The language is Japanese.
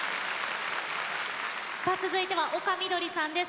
続いては丘みどりさんです。